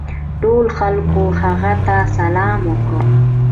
ټولو خلکو هغه ته سلام وکړ.